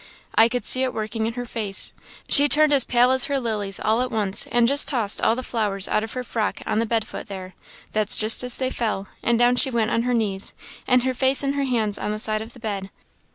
I could see it working in her face; she turned as pale as her lilies all at once, and just tossed all the flowers out of her frock on the bed foot there that's just as they fell and down she went on her knees, and her face in her hands on the side of the bed.